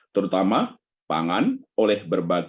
terutama pangan oleh berbagai